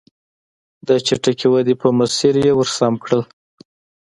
د چټکې ودې په مسیر یې ور سم کړل.